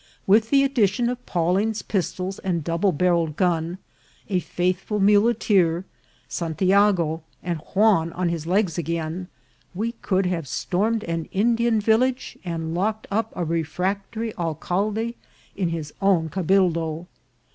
With the addition of Pawling's pistols and double bar relled gun, a faithful muleteer, Santiago, and Juan on his legs again, we could have stormed an Indian vil lage, and locked up a refractory alcalde in his own ca bildo.